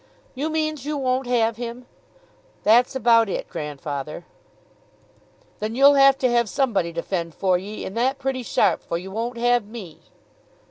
"You means you won't have him?" "That's about it, grandfather." "Then you'll have to have somebody to fend for ye, and that pretty sharp, for you won't have me."